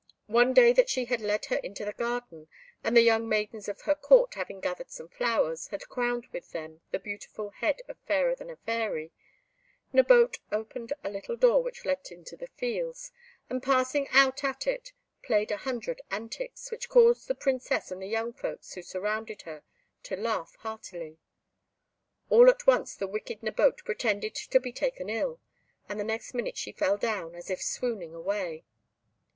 One day that she had led her into the garden, and the young maidens of her Court, having gathered some flowers, had crowned with them the beautiful head of Fairer than a Fairy, Nabote opened a little door which led into the fields, and passing out at it, played an hundred antics, which caused the Princess and the young folks who surrounded her to laugh heartily. All at once the wicked Nabote pretended to be taken ill, and the next minute she fell down, as if swooning away.